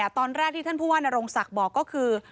ตอนแรกที่ท่านผู้ว่านโรงศักดิ์บอกก็คือ